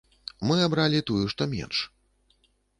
Мы абралі тую, што менш.